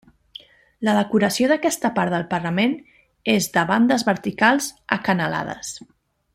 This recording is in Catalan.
La decoració d'aquesta part del parament és de bandes verticals acanalades.